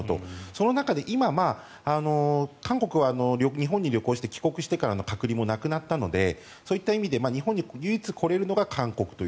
その中で今韓国は日本に旅行して帰国してからの隔離もなくなったのでそういった意味で日本に唯一来れるのが韓国だと。